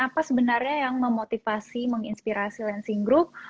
apa sebenarnya yang memotivasi menginspirasi lansing group